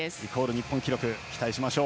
日本記録、期待しましょう。